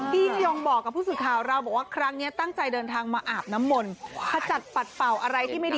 พี่ยิ้งยงอย่างบอกพลูมาบอกว่าครั้งนี้ตั้งใจเดินทางมาอาบน้ำมนต์